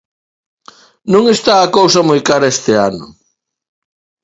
Non está a cousa moi cara este ano.